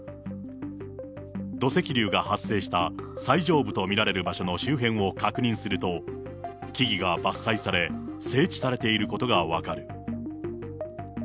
土石流が発生した最上部と見られる場所の周辺を確認すると、木々が伐採され、整地されていることが分かる。